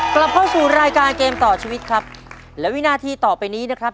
กลับเข้าสู่รายการเกมต่อชีวิตครับและวินาทีต่อไปนี้นะครับ